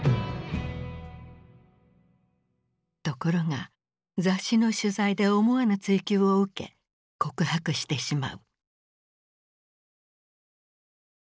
ところが雑誌の取材で思わぬ追及を受け告白してしまう。